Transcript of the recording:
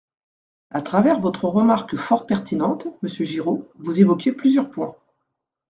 À travers votre remarque fort pertinente, monsieur Giraud, vous évoquez plusieurs points.